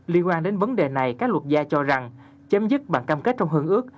liên quan đến vấn đề này các luật gia cho rằng chấm dứt bằng cam kết trong hương ước